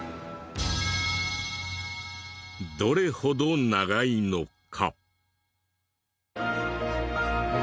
どれほど長いのか。